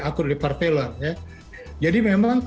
akur liver failure jadi memang